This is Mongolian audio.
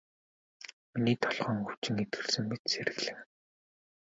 Миний толгойн өвчин эдгэрсэн мэт сэргэлэн.